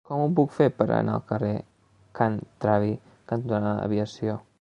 Com ho puc fer per anar al carrer Can Travi cantonada Aviació?